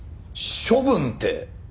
処分って。